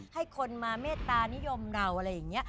ให้คนมาเมตตานิยมเราอะไรอย่างนี้